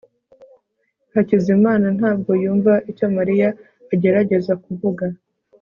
hakizimana ntabwo yumva icyo mariya agerageza kuvuga